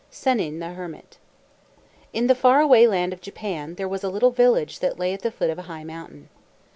SENNIN THE HERMIT In the far away land of Japan, there was a little village that lay at the foot of a high mountain.